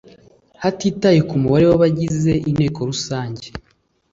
hatitawe ku mubare w abagize Inteko Rusange